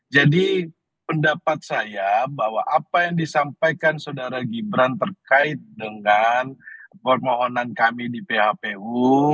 jadi pendapat saya bahwa apa yang disampaikan saudara gibran terkait dengan permohonan kami di phpu